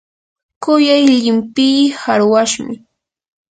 kuyay llimpii qarwashmi.